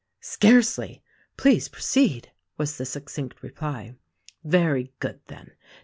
"Scarcely! Please proceed," was the succinct reply. "Very good, then!